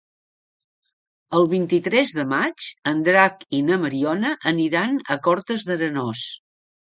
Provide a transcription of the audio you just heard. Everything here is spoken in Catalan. El vint-i-tres de maig en Drac i na Mariona aniran a Cortes d'Arenós.